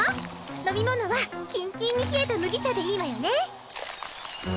飲み物はキンキンに冷えた麦茶でいいわよね？